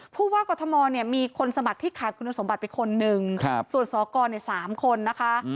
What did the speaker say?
ผู้ว่ากรทมเนี่ยมีคนสมัครที่ขาดคุณสมบัติไปคนหนึ่งส่วนสกร๓คนนะคะ